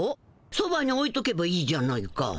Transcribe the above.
そばにおいとけばいいじゃないか。